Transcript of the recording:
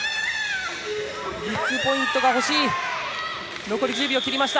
ビッグポイントがほしい。